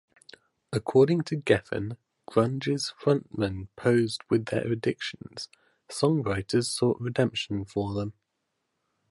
According to Geffen, "grunge's frontmen posed with their addictions; songwriters sought redemption for them".